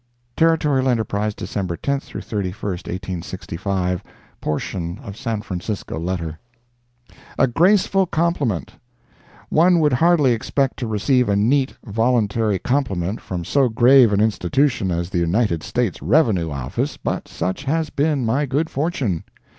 Territorial Enterprise, December 10 31, 1865 [portion of San Francisco Letter] A GRACEFUL COMPLIMENT One would hardly expect to receive a neat, voluntary compliment from so grave an institution as the United States Revenue Office, but such has been my good fortune.